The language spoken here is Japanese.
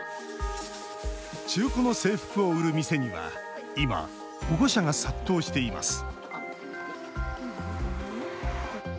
中古の制服を売る店には今、保護者が殺到しています